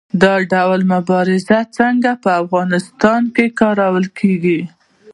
دا ډول مبارزه څنګه په افغانستان کې کارول کیږي؟